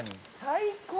「最高！」